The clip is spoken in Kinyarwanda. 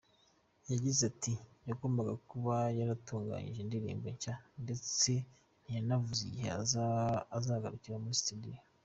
Yagize ati “Yagombaga kuba yaratunganyije indirimbo nshya ndetse ntiyanavuze igihe azagarukira muri studio.